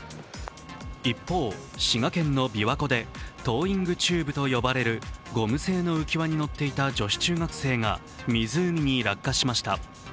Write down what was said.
一方、滋賀県のびわ湖でトーイングチューブと呼ばれるゴム製の浮き輪に乗っていた女子中学生が湖に落下しました。